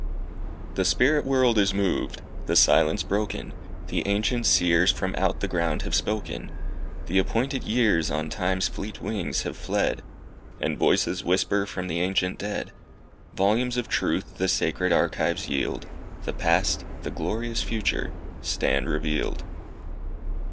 The spirit world is moved, the silence broken, The ancient Seers from out the ground have spoken. The appointed years on time's fleet wings have fled. And voices whisper from the ancient dead. Volumes of truth the sacred archives yield. The past, the glorious future, stand revealed.